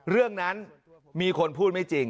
เรื่องนั้นมีคนพูดไม่จริง